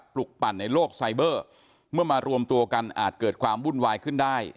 ลุกปั่นในโลกไซเบอร์เมื่อมารวมตัวกันอาจเกิดความวุ่นวายขึ้นได้